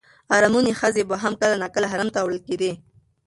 ارمني ښځې به هم کله ناکله حرم ته وړل کېدې.